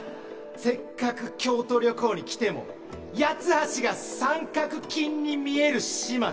せっかく京都旅行に来ても八ツ橋が三角筋に見える始末。